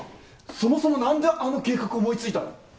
そもそも何であの計画思いついたの？